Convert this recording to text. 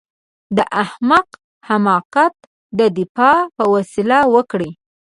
د احمق د حماقت دفاع په وسيله وکړئ.